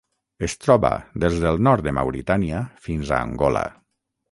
Es troba des del nord de Mauritània fins a Angola.